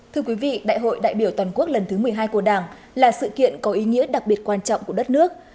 thưa quý vị đại hội đại biểu toàn quốc lần thứ một mươi hai của đảng là sự kiện có ý nghĩa đặc biệt quan trọng của đất nước